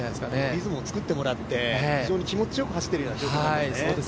リズムを作ってもらって、非常に気持ちよく走ってる状況。